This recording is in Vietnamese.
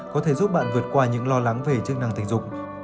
có thể giúp bạn vượt qua những lo lắng về chức năng tình dục